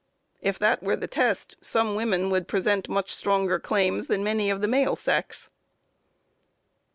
If that were the test, some women would present much stronger claims than many of the male sex.